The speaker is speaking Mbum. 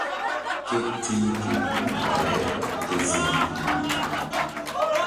Ke ti̧h ke puh baleke ziŋ duhruri.